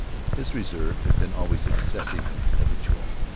His reserve had been always excessive and habitual.